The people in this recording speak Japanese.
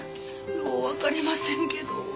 よう分かりませんけど。